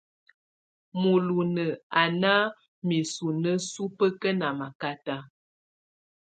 Mulunǝ́ á ná misunǝ́ subǝ́kǝ́ ná makátá.